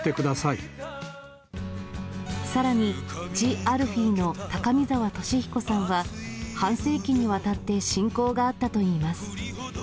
さらに、ジ・アルフィーの高見沢俊彦さんは、半世紀にわたって親交があったといいます。